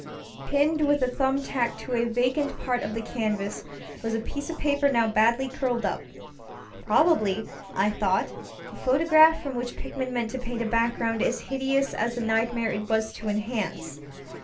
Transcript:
Pinned with a thumb tack to a vacant part of the canvas was a piece of paper now badly curled upŌĆöprobably, I thought, a photograph from which Pickman meant to paint a background as hideous as the nightmare it was to enhance.